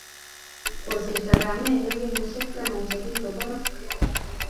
Kosirto kamennyu kenyisyek taman che kikoborok.